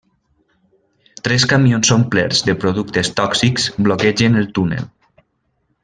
Tres camions omplerts de productes tòxics bloquegen el túnel.